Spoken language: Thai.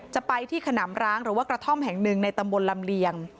จะไปที่ขนำร้างหรือว่ากระท่อมแห่งหนึ่งในตำบลลำเลียง